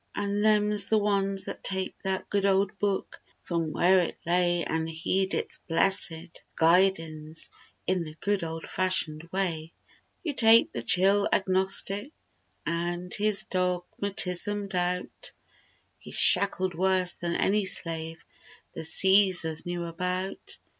An' them's the ones that take that Good old Book from where it lay An' heed its blessed guidin's In the good old fashioned way, 203 You take the chill Agnostic An' his dogmatism— doubt; He's shackled worse than any slave The Caesars knew about.